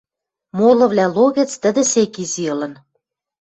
Молывлӓ логӹц тӹдӹ сек изи ылын.